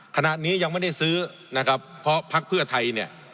ขณะนี้ยังไม่ได้ซื้อนะครับเพราะพักเพื่อไทยเนี่ย